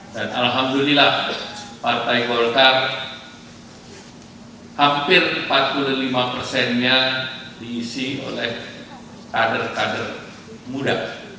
dan alhamdulillah partai golkar hampir empat puluh lima persennya diisi oleh kader kader muda